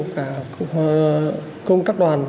và công tác đoàn